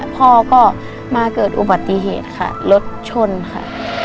พ่อก็มาเกิดอุบัติเหตุค่ะรถชนค่ะ